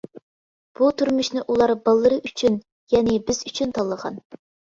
بۇ تۇرمۇشنى ئۇلار بالىلىرى ئۈچۈن، يەنى بىز ئۈچۈن تاللىغان.